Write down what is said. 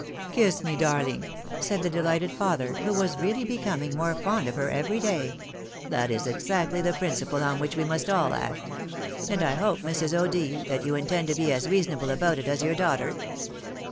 " Kiss me, darling !" said the delighted father, who was really becoming more fond of her every day ;" that is exactly the principle on which we must all act ; and I hope, Mrs. O'D., that you intend to be as reasonable about it as your daughter